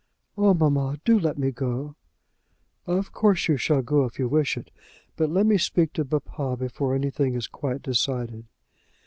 "Oh, mamma, do let me go." "Of course you shall go if you wish it; but let me speak to papa before anything is quite decided."